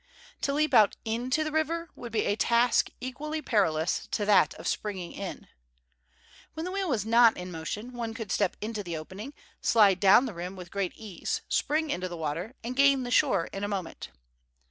To leap out into the river would be a task equally perilous to that of springing in. When the wheel was not in motion, one could step into the opening, slide down the rim with great ease, spring into the water, and gain the shore in a moment.